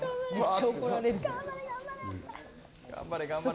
頑張れ。